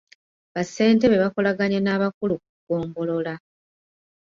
Bassentebe bakolaganye n’abakulu ku ggombolola.